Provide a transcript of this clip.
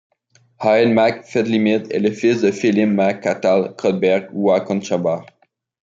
Áed mac Fedlimid est le fils de Felim mac Cathal Crobderg Ua Conchobair.